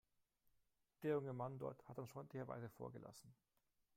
Der junge Mann dort hat uns freundlicherweise vorgelassen.